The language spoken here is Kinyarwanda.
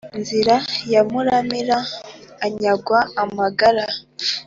Nzira ya Muramira anyagwa amagara